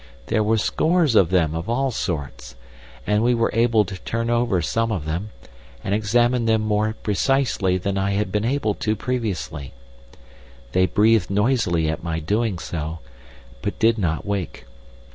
There were scores of them of all sorts, and we were able to turn over some of them, and examine them more precisely than I had been able to do previously. They breathed noisily at my doing so, but did not wake.